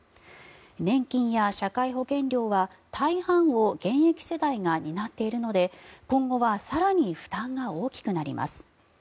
年金や社会保険料は大半を現役世代が担っているので今後は更に負担が大きくなります。